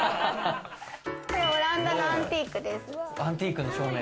オランダのアンティークです。